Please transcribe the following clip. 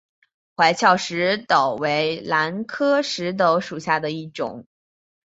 杯鞘石斛为兰科石斛属下的一个种。